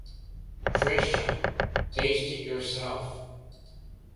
Tricia, taste it yourself.